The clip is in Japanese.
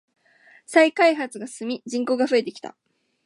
再開発が進み人口が増えてきた。